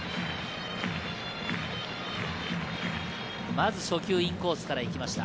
まずインコースから入りました。